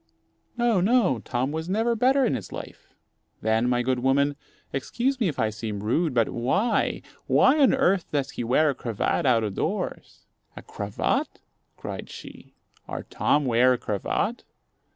"No, no, Tom was never better in his life." "Then, my good woman, excuse me if I seem rude; but why why on earth does he wear a cravat out of doors?" "A cravat!" cried she. "Our Tom wear a cravat!"